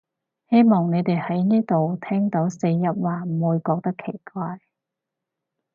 希望你哋喺呢度聽到四邑話唔會覺得奇怪